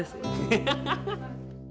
ハハハハ！